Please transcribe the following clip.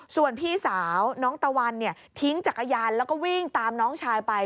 ส่วนพี่สาวน้องตะวันทิ้งจักรยานแล้วก็วิ่งตามน้องชายไป